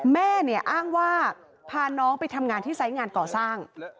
แม่เนี่ยอ้างว่าพาน้องไปทำงานที่ไซส์งานก่อสร้าง